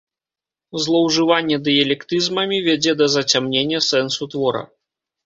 Злоўжыванне дыялектызмамі вядзе да зацямнення сэнсу твора.